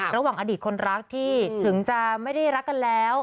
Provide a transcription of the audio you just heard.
ระหว่างอดีตคนรักที่ถึงจะไม่ได้รักกันแล้ว